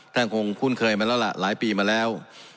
คงคุ้นเคยมาแล้วล่ะหลายปีมาแล้ว